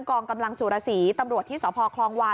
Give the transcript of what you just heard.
กองกำลังสุรสีตำรวจที่สพคลองวาน